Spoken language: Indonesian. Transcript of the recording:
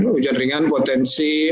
hujan ringan potensi